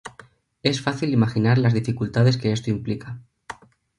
Es fácil imaginar las dificultades que esto implica.